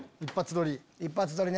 一発撮り。